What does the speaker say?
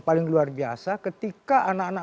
paling luar biasa ketika anak anak